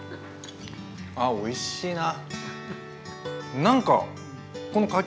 あっおいしいな。